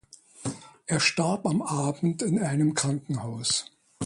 Er starb am Abend in einem Krankenhaus.